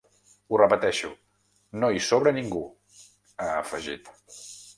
Ho repeteixo: no hi sobra ningú, ha afegit.